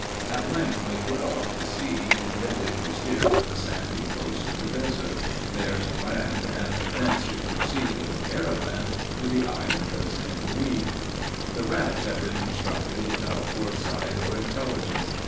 At length they put off to sea, intending to steer for the sandy coast of the desert, there to land, and thence to proceed with a caravan to the island of St. Louis. The raft had been constructed without foresight or intelligence.